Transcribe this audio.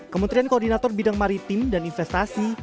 kementerian koordinator bidang maritim dan investasi